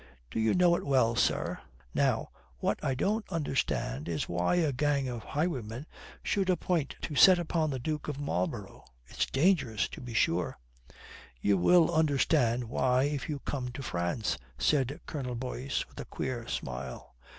"Do you know it well, sir? Now, what I don't understand is why a gang of highwaymen should appoint to set upon the Duke of Marlborough. It's dangerous, to be sure " "You will understand why, if you come to France," said Colonel Boyce, with a queer smile.